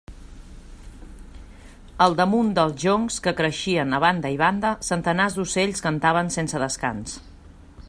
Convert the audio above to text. Al damunt dels joncs que creixien a banda i banda, centenars d'ocells cantaven sense descans.